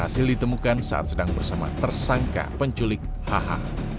saat sedang bersama tersangka penculik haha